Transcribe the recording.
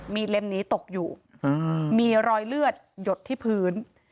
มีเล่มนี้ตกอยู่มีรอยเลือดหยดที่พื้น